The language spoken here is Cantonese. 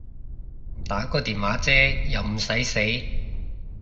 打個電話啫又唔駛死